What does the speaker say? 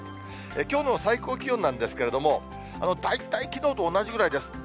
きょうの最高気温なんですけれども、大体きのうと同じぐらいです。